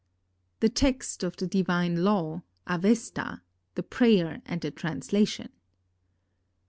"The text of the divine law (Avesta)—the prayer and the translation."